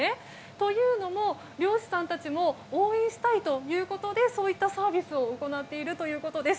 というのも漁師さんたちも応援したいということでそういったサービスを行っているということです。